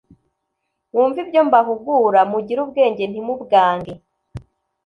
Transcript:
mwumve ibyo mbahugura mugire ubwenge, ntimubwange